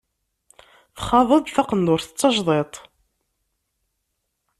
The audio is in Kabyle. Txaḍ-d taqendurt d tajdiṭ.